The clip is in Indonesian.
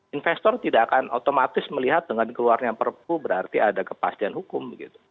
investor tidak akan otomatis melihat dengan keluarnya perpu berarti ada kepastian hukum